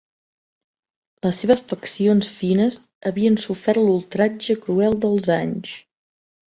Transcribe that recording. Les seves faccions fines havien sofert l'ultratge cruel dels anys.